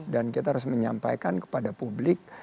dan kita harus menyampaikan kepada publik